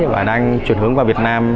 và đang chuyển hướng qua việt nam